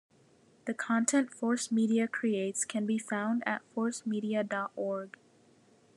The content Force Media creates can be found at forcemedia dot org.